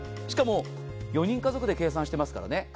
しかも４人家族で計算してますからね。